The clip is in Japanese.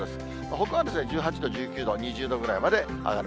ほかは１８度、１９度、２０度ぐらいまで上がる。